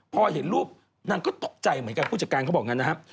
พอเห็นรูปนางก็ตกใจเหมือนกันผู้จัดการเขาบอกงั้นนะครับ